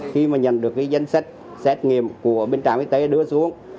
khi mà nhận được cái dân xét xét nghiệm của bên trạng y tế đưa xuống